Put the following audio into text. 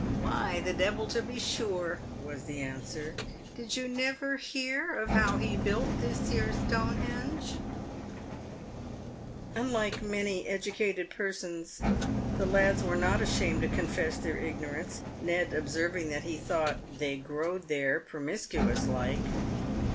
" "Why, the devil, to be sure," was the answer. " Did you never hear of how he built this here Stonehenge ?" i Unlike many educated persons, the lads were not ashamed to con I fess their ignorance, Ned observing that he thought " they growd ? there promiscuous like."